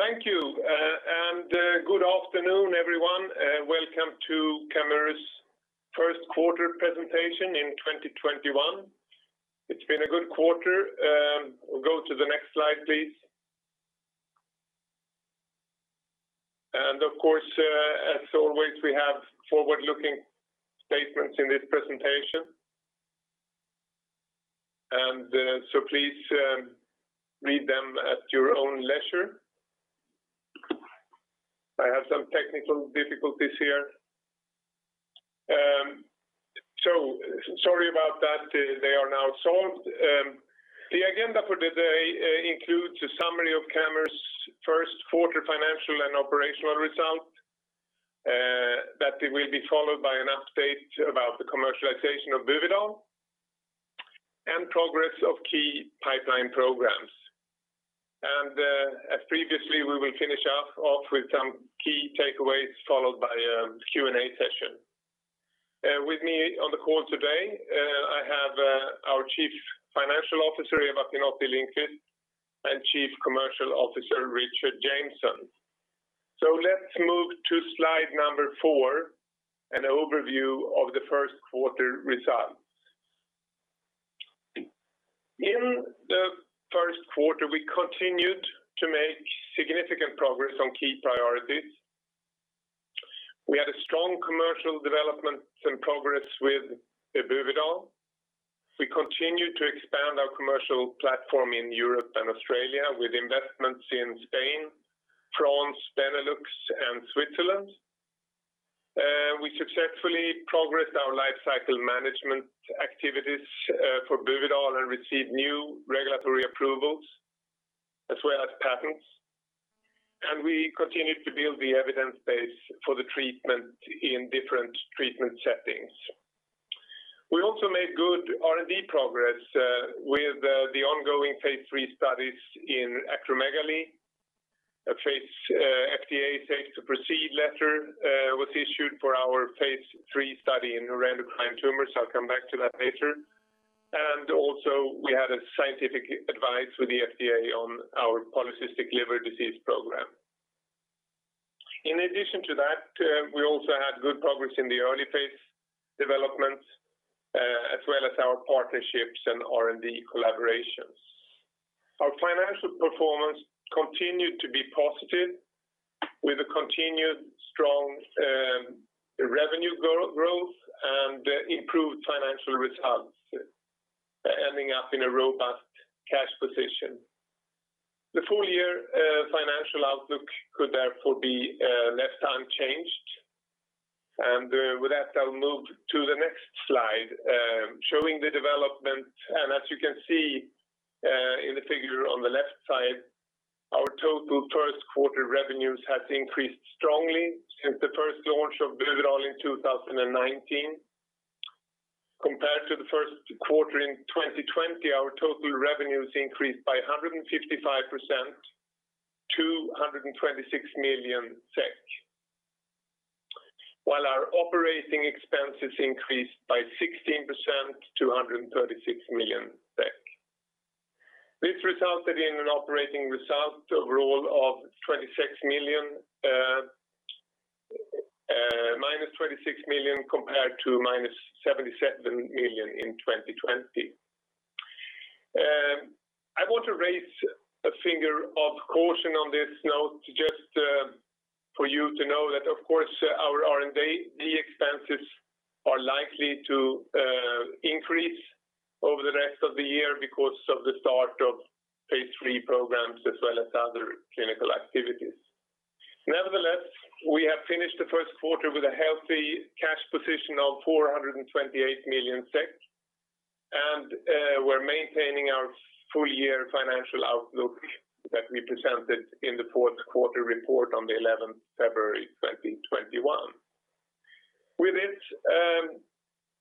Thank you. Good afternoon, everyone. Welcome to Camurus' first quarter presentation in 2021. It's been a good quarter. Go to the next slide, please. Of course, as always, we have forward-looking statements in this presentation. Please read them at your own leisure. I have some technical difficulties here. Sorry about that. They are now solved. The agenda for the day includes a summary of Camurus' first quarter financial and operational results. That will be followed by an update about the commercialization of Buvidal and progress of key pipeline programs. As previously, we will finish off with some key takeaways, followed by a Q&A session. With me on the call today, I have our Chief Financial Officer, Eva Pinotti-Lindqvist, and Chief Commercial Officer, Richard Jameson. Let's move to slide number four, an overview of the first quarter results. In the first quarter, we continued to make significant progress on key priorities. We had a strong commercial development and progress with Buvidal. We continued to expand our commercial platform in Europe and Australia with investments in Spain, France, Benelux, and Switzerland. We successfully progressed our lifecycle management activities for Buvidal and received new regulatory approvals as well as patents. We continued to build the evidence base for the treatment in different treatment settings. We also made good R&D progress with the ongoing phase III studies in acromegaly. A FDA safe to proceed letter was issued for our phase III study in neuroendocrine tumors. I'll come back to that later. Also, we had a scientific advice with the FDA on our polycystic liver disease program. In addition to that, we also had good progress in the early phase development as well as our partnerships and R&D collaborations. Our financial performance continued to be positive with a continued strong revenue growth and improved financial results, ending up in a robust cash position. The full-year financial outlook could therefore be left unchanged. With that, I'll move to the next slide showing the development. As you can see in the figure on the left side, our total first quarter revenues has increased strongly since the first launch of Buvidal in 2019. Compared to the first quarter in 2020, our total revenues increased by 155%, 226 million SEK. While our operating expenses increased by 16% to 136 million SEK. This resulted in an operating result of -26 million compared to -77 million in 2020. I want to raise a finger of caution on this note just for you to know that, of course, our R&D expenses are likely to increase over the rest of the year because of the start of phase III programs as well as other clinical activities. Nevertheless, we have finished the first quarter with a healthy cash position of 428 million SEK. We're maintaining our full-year financial outlook that we presented in the fourth quarter report on the 11th February 2021. With this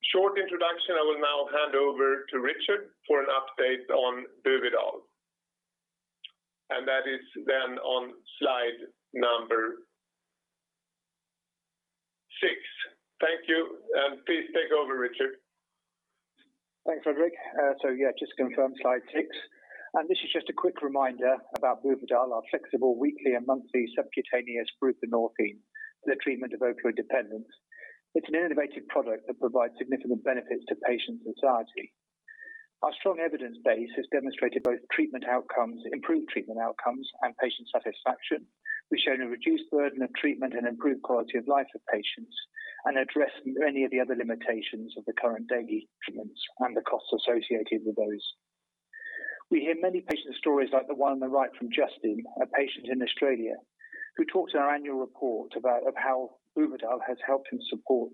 short introduction, I will now hand over to Richard for an update on Buvidal. That is then on slide number six. Thank you. Please take over, Richard. Thanks, Fredrik. Yeah, just to confirm, slide six. This is just a quick reminder about Buvidal, our flexible weekly and monthly subcutaneous buprenorphine for the treatment of opioid dependence. It's an innovative product that provides significant benefits to patients and society. Our strong evidence base has demonstrated both improved treatment outcomes and patient satisfaction. We've shown a reduced burden of treatment and improved quality of life of patients and addressed many of the other limitations of the current daily treatments and the costs associated with those. We hear many patient stories like the one on the right from Justin, a patient in Australia, who talked in our annual report about how Buvidal has helped support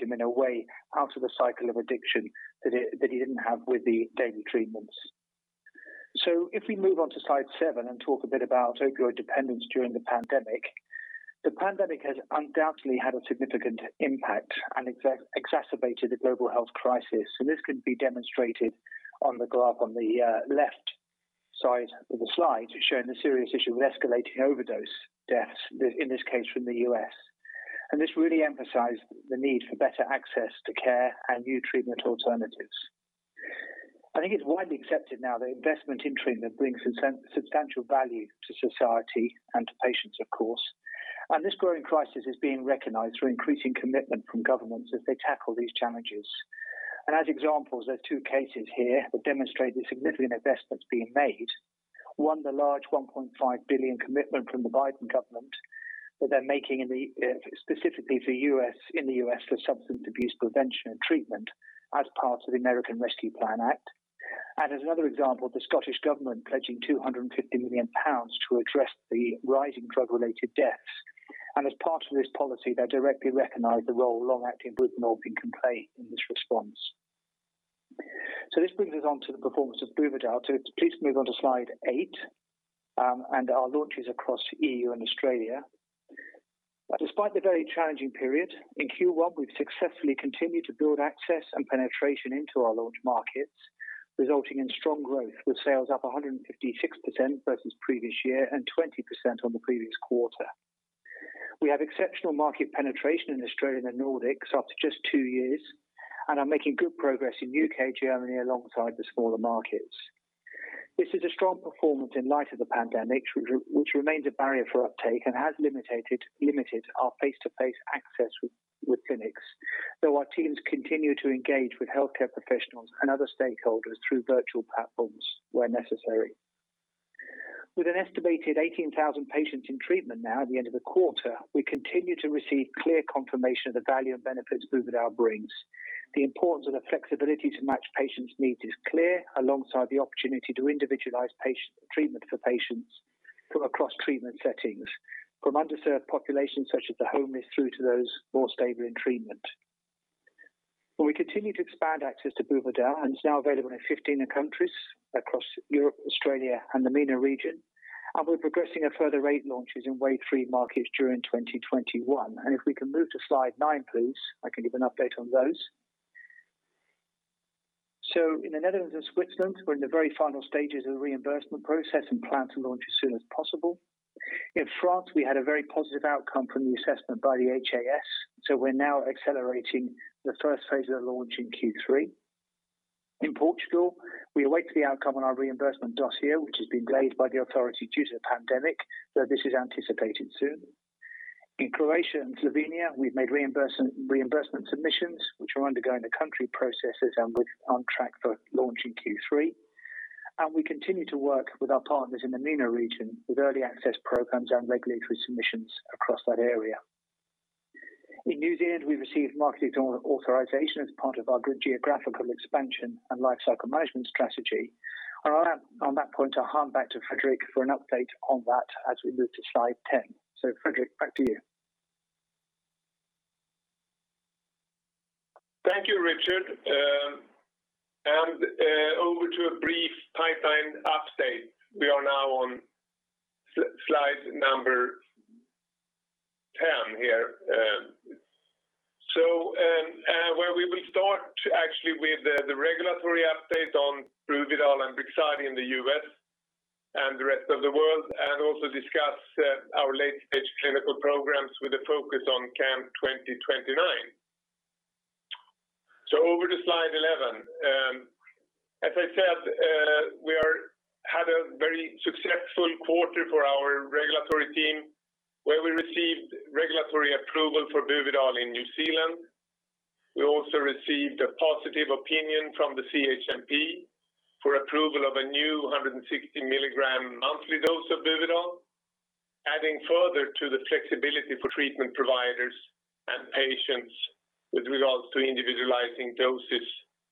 him in a way out of a cycle of addiction that he didn't have with the daily treatments. If we move on to slide seven and talk a bit about opioid dependence during the pandemic. The pandemic has undoubtedly had a significant impact and exacerbated the global health crisis. This can be demonstrated on the graph on the left side of the slide, showing the serious issue of escalating overdose deaths, in this case from the U.S. This really emphasized the need for better access to care and new treatment alternatives. I think it's widely accepted now that investment in treatment brings substantial value to society and to patients, of course. This growing crisis is being recognized through increasing commitment from governments as they tackle these challenges. As examples, there are two cases here that demonstrate the significant investments being made. One, the large $1.5 billion commitment from the Biden government that they're making specifically in the U.S. for substance abuse prevention and treatment as part of the American Rescue Plan Act. As another example, the Scottish government pledging 250 million pounds to address the rising drug-related deaths. As part of this policy, they directly recognize the role long-acting buprenorphine can play in this response. This brings us on to the performance of Buvidal. Please move on to slide eight, and our launches across EU and Australia. Despite the very challenging period, in Q1, we've successfully continued to build access and penetration into our launch markets, resulting in strong growth with sales up 156% versus previous year and 20% on the previous quarter. We have exceptional market penetration in Australia and the Nordics after just two years, and are making good progress in U.K., Germany, alongside the smaller markets. This is a strong performance in light of the pandemic, which remains a barrier for uptake and has limited our face-to-face access with clinics, though our teams continue to engage with healthcare professionals and other stakeholders through virtual platforms where necessary. With an estimated 18,000 patients in treatment now at the end of the quarter, we continue to receive clear confirmation of the value and benefits Buvidal brings. The importance of the flexibility to match patients' needs is clear, alongside the opportunity to individualize treatment for patients from across treatment settings, from underserved populations such as the homeless through to those more stable in treatment. We continue to expand access to Buvidal, and it's now available in 15 countries across Europe, Australia, and the MENA region, and we're progressing a further eight launches in wave three markets during 2021. If we can move to slide nine, please, I can give an update on those. In the Netherlands and Switzerland, we're in the very final stages of the reimbursement process and plan to launch as soon as possible. In France, we had a very positive outcome from the assessment by the HAS, so we're now accelerating the first phase of the launch in Q3. In Portugal, we await the outcome on our reimbursement dossier, which has been delayed by the authority due to the pandemic, though this is anticipated soon. In Croatia and Slovenia, we've made reimbursement submissions, which are undergoing the country processes, and we're on track for launch in Q3. We continue to work with our partners in the MENA region with early access programs and regulatory submissions across that area. In New Zealand, we've received market authorization as part of our geographical expansion and lifecycle management strategy. On that point, I'll hand back to Fredrik for an update on that as we move to slide 10. Fredrik, back to you. Thank you, Richard. Over to a brief pipeline update. We are now on slide number 10 here. Where we will start actually with the regulatory update on Buvidal and Brixadi in the U.S. and the rest of the world, and also discuss our late-stage clinical programs with a focus on CAM2029. Over to slide 11. As I said, we had a very successful quarter for our regulatory team, where we received regulatory approval for Buvidal in New Zealand. We also received a positive opinion from the CHMP for approval of a new 160 mg monthly dose of Buvidal, adding further to the flexibility for treatment providers and patients with regards to individualizing doses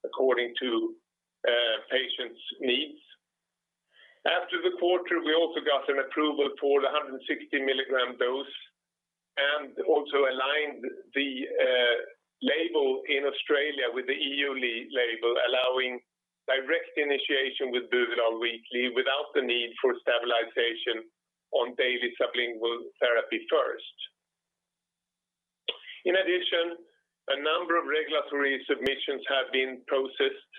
according to patients' needs. After the quarter, we also got an approval for the 160 mg dose and also aligned the label in Australia with the EU label, allowing direct initiation with Buvidal weekly without the need for stabilization on daily sublingual therapy first. A number of regulatory submissions have been processed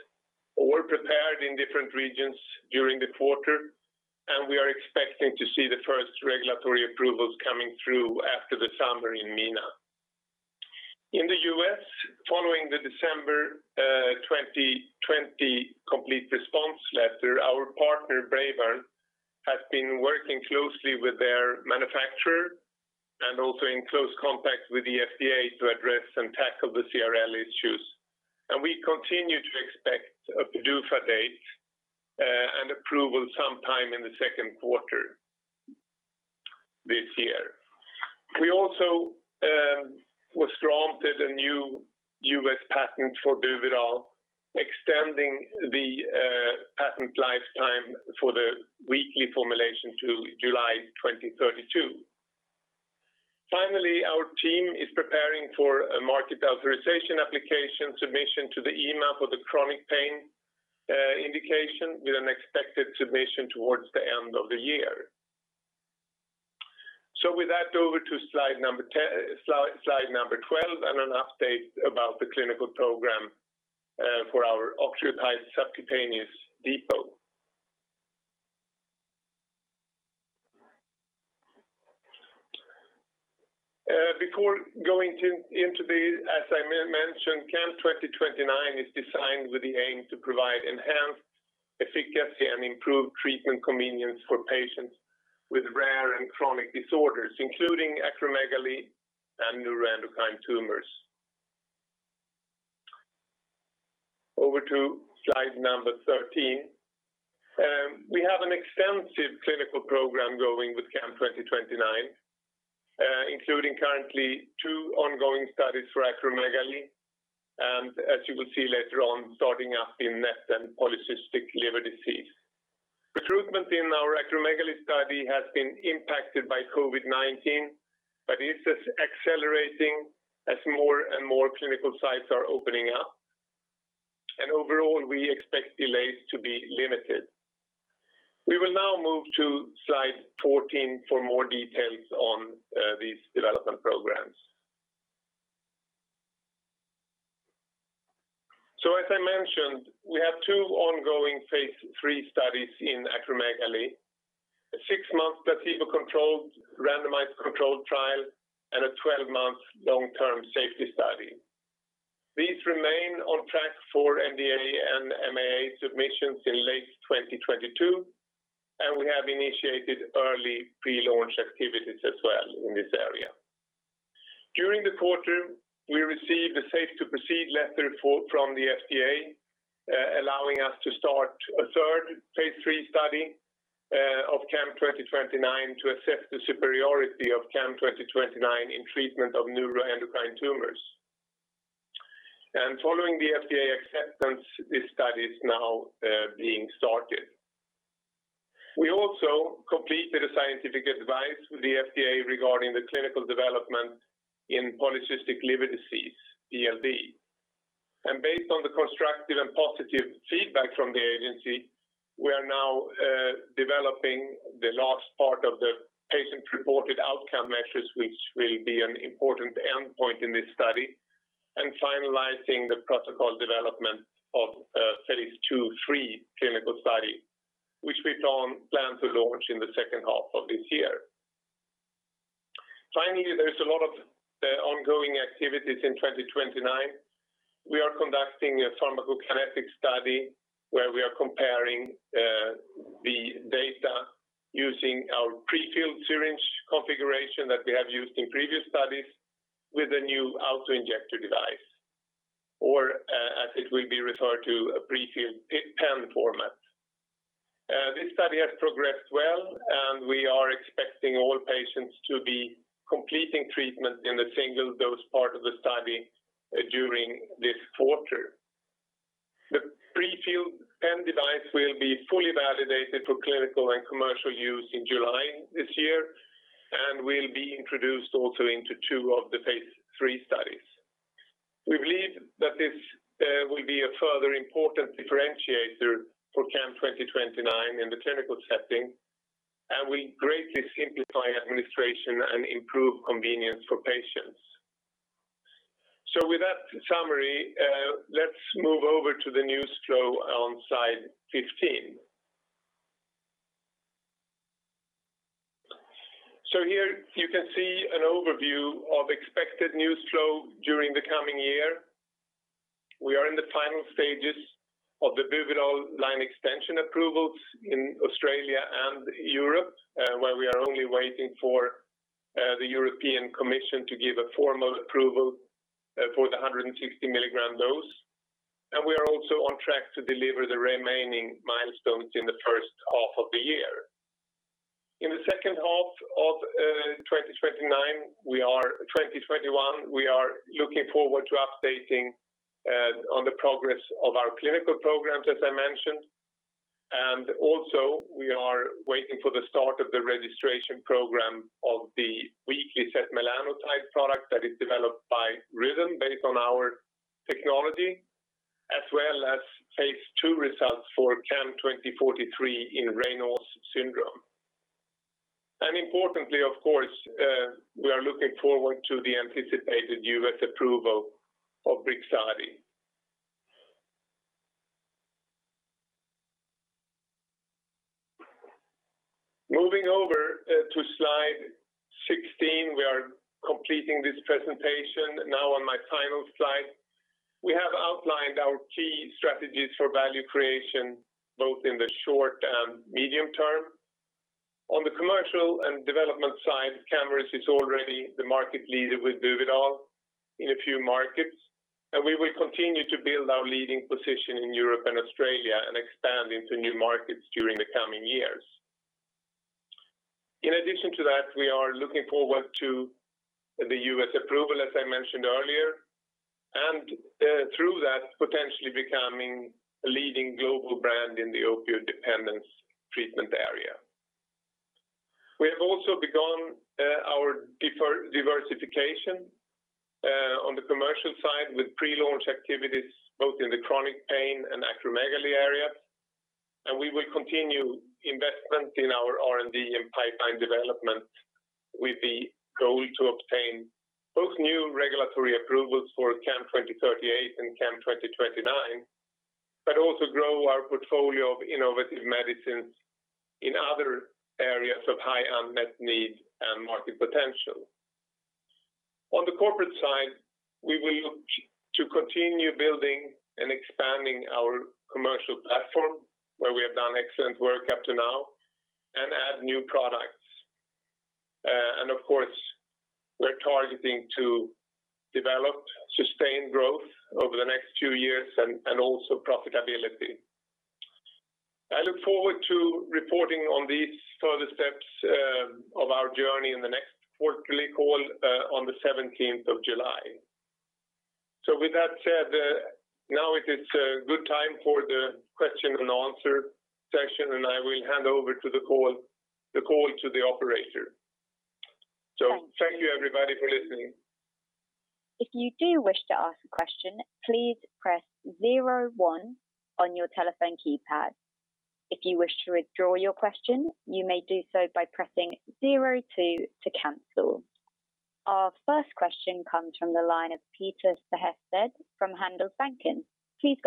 or prepared in different regions during the quarter, and we are expecting to see the first regulatory approvals coming through after the summer in MENA. In the U.S., following the December 2020 complete response letter, our partner Braeburn has been working closely with their manufacturer and also in close contact with the FDA to address and tackle the CRL issues. We continue to expect a PDUFA date and approval sometime in the second quarter this year. We also was granted a new U.S. patent for Buvidal, extending the patent lifetime for the weekly formulation to July 2032. Finally, our team is preparing for a marketing authorization application submission to the EMA for the chronic pain indication with an expected submission towards the end of the year. With that, over to slide number 12 and an update about the clinical program for our octreotide subcutaneous depot. Before going into this, as I mentioned, CAM2029 is designed with the aim to provide enhanced efficacy and improved treatment convenience for patients with rare and chronic disorders, including acromegaly and neuroendocrine tumors. Over to slide number 13. We have an extensive clinical program going with CAM2029, including currently two ongoing studies for acromegaly, and as you will see later on, starting up in NET and polycystic liver disease. Recruitment in our acromegaly study has been impacted by COVID-19, but is accelerating as more and more clinical sites are opening up. Overall, we expect delays to be limited. We will now move to slide 14 for more details on these development programs. As I mentioned, we have two ongoing phase III studies in acromegaly. A six-month placebo-controlled randomized controlled trial and a 12-month long-term safety study. These remain on track for NDA and MAA submissions in late 2022, and we have initiated early pre-launch activities as well in this area. During the quarter, we received a safe to proceed letter from the FDA, allowing us to start a third phase III study of CAM2029 to assess the superiority of CAM2029 in treatment of neuroendocrine tumors. Following the FDA acceptance, this study is now being started. We also completed a scientific advice with the FDA regarding the clinical development in polycystic liver disease, PLD. Based on the constructive and positive feedback from the agency, we are now developing the last part of the patient-reported outcome measures, which will be an important endpoint in this study, and finalizing the protocol development of a phase II/III clinical study, which we plan to launch in the second half of this year. There's a lot of ongoing activities in 2029. We are conducting a pharmacokinetic study where we are comparing the data using our pre-filled syringe configuration that we have used in previous studies with a new auto-injector device, or as it will be referred to, a pre-filled pen format. This study has progressed well and we are expecting all patients to be completing treatment in the single dose part of the study during this quarter. The pre-filled pen device will be fully validated for clinical and commercial use in July this year and will be introduced also into two of the phase III studies. We believe that this will be a further important differentiator for CAM2029 in the clinical setting and will greatly simplify administration and improve convenience for patients. With that summary, let's move over to the news flow on slide 15. Here you can see an overview of expected news flow during the coming year. We are in the final stages of the Buvidal line extension approvals in Australia and Europe, where we are only waiting for the European Commission to give a formal approval for the 160 mg dose. We are also on track to deliver the remaining milestones in the first half of the year. In the second half of 2021, we are looking forward to updating on the progress of our clinical programs, as I mentioned. Also we are waiting for the start of the registration program of the weekly setmelanotide product that is developed by Rhythm based on our technology, as well as phase II results for CAM2043 in Raynaud's syndrome. Importantly, of course, we are looking forward to the anticipated US approval of Brixadi. Moving over to slide 16. We are completing this presentation now on my final slide. We have outlined our key strategies for value creation, both in the short and medium term. On the commercial and development side, Camurus is already the market leader with Buvidal in a few markets, and we will continue to build our leading position in Europe and Australia and expand into new markets during the coming years. In addition to that, we are looking forward to the U.S. approval, as I mentioned earlier, and through that, potentially becoming a leading global brand in the opioid dependence treatment area. We have also begun our diversification on the commercial side with pre-launch activities both in the chronic pain and acromegaly area. We will continue investment in our R&D and pipeline development with the goal to obtain both new regulatory approvals for CAM2038 and CAM2029, but also grow our portfolio of innovative medicines in other areas of high unmet need and market potential. On the corporate side, we will look to continue building and expanding our commercial platform, where we have done excellent work up to now, and add new products. Of course, we're targeting to develop sustained growth over the next few years and also profitability. I look forward to reporting on these further steps of our journey in the next quarterly call on the 17th of July. With that said, now it is a good time for the question and answer session, and I will hand over the call to the operator. Thank you everybody for listening. If you do wish to ask a question, please press zero one on your telephone keypad. If you wish to withdraw your question, you may do so by pressing zero two to cancel. Our first question comes from the line of Peter Sehested from Handelsbanken. Yes.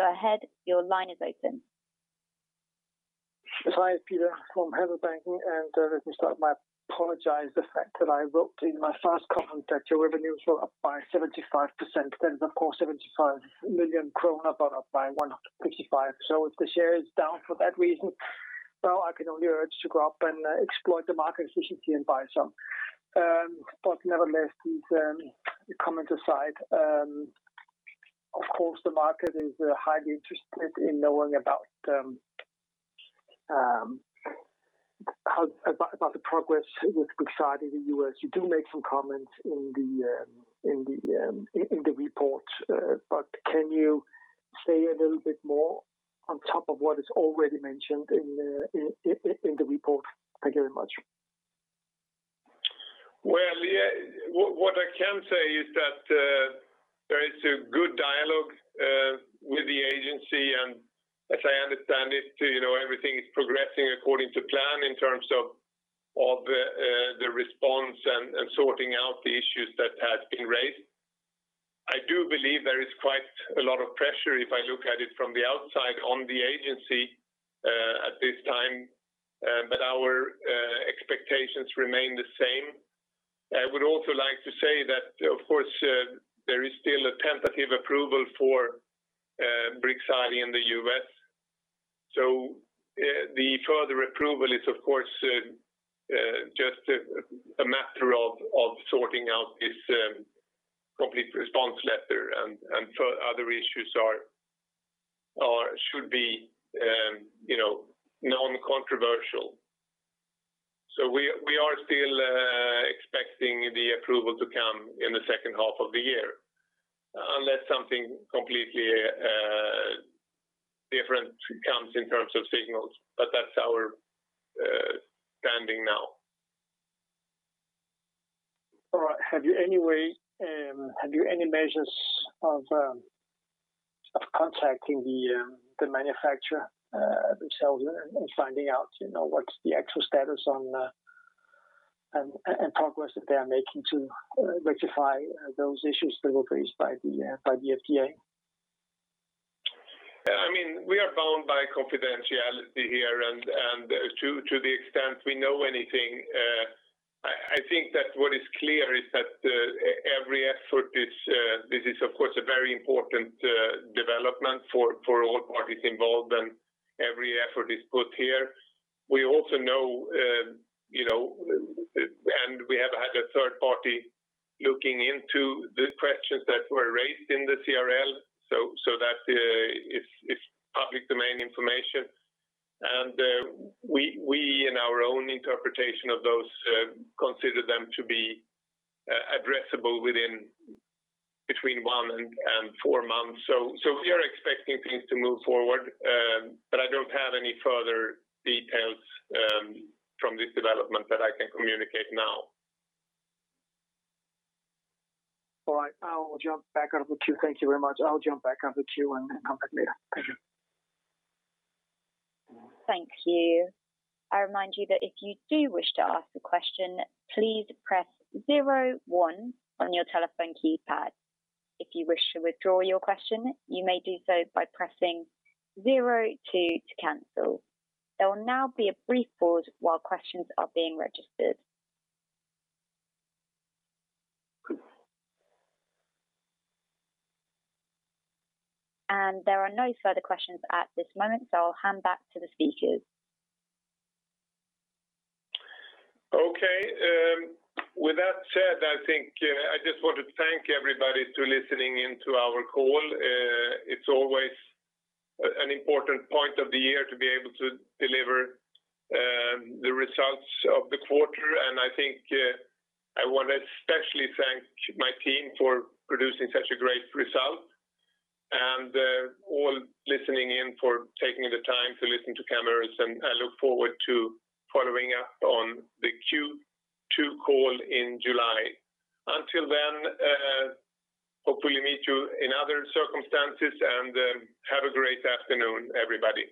Hi, Peter from Handelsbanken. Let me start by apologize the fact that I wrote in my first comment that your revenues were up by 75%, that is of course 75 million kronor, but up by 155. If the share is down for that reason, well, I can only urge to go up and exploit the market efficiency and buy some. Nevertheless, these comments aside, of course the market is highly interested in knowing about the progress with Brixadi in the U.S. You do make some comments in the report, but can you say a little bit more on top of what is already mentioned in the report? Thank you very much. Well, what I can say is that there is a good dialogue with the agency, and as I understand it, everything is progressing according to plan in terms of the response and sorting out the issues that have been raised. I do believe there is quite a lot of pressure, if I look at it from the outside, on the agency at this time. Our expectations remain the same. I would also like to say that, of course, there is still a tentative approval for Brixadi in the U.S. The further approval is, of course, just a matter of sorting out this complete response letter and other issues should be non-controversial. We are still expecting the approval to come in the second half of the year, unless something completely different comes in terms of signals. That's our standing now. All right. Have you any measures of contacting the manufacturer themselves and finding out what's the actual status and progress that they're making to rectify those issues that were raised by the FDA? We are bound by confidentiality here, and to the extent we know anything, I think that what is clear is that this is of course a very important development for all parties involved, and every effort is put here. We also know, and we have had a third party looking into the questions that were raised in the CRL, so that it's public domain information. We, in our own interpretation of those, consider them to be addressable between one and four months. We are expecting things to move forward, but I don't have any further details from this development that I can communicate now. All right. I will jump back out of the queue. Thank you very much. I'll jump back out of the queue and come back later. Thank you. Thank you. I remind you that if you do wish to ask a question, please press zero one on your telephone keypad. If you wish to withdraw your question, you may do so by pressing zero two to cancel. There will now be a brief pause while questions are being registered. There are no further questions at this moment, so I'll hand back to the speakers. Okay. With that said, I think I just want to thank everybody to listening in to our call. It's always an important point of the year to be able to deliver the results of the quarter, and I think I want to especially thank my team for producing such a great result, and all listening in for taking the time to listen to Camurus, and I look forward to following up on the Q2 call in July. Until then, hopefully meet you in other circumstances, and have a great afternoon, everybody.